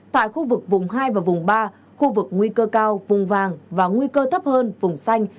tại khu vực vùng hai và vùng ba khu vực nguy cơ cao vùng vàng và nguy cơ thấp hơn vùng xanh